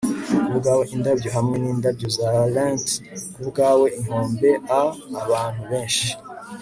kubwawe indabyo hamwe nindabyo za lente - kubwawe inkombe a-abantu benshi